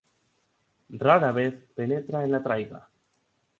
Rara vez penetra en la taiga.